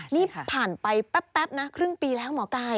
นี่ผ่านไปแป๊บนะครึ่งปีแล้วหมอไก่